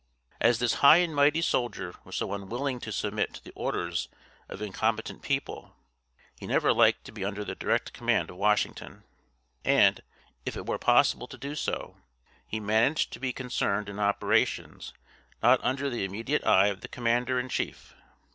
As this high and mighty soldier was so unwilling to submit to the orders of incompetent people, he never liked to be under the direct command of Washington, and, if it were possible to do so, he managed to be concerned in operations not under the immediate eye of the commander in chief.